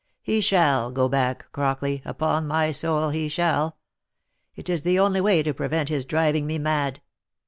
He shall go back, Crockley, upon my soul he shall. It is the only way to prevent his driving me mad.